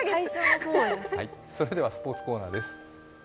それではスポーツコーナーです。